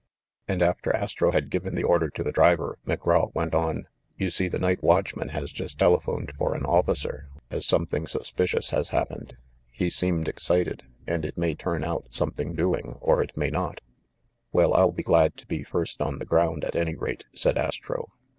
And, after Astro had given the order to the driver, McGraw went on. "You see, the night watchman has just telephoned for an officer, as something suspicious has happened. He seemed ex cited, and it may turn out something doing, or it may not." "Well, I'll be glad to be first on the ground, at any rate," said Astro.